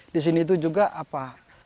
di sini itu juga apa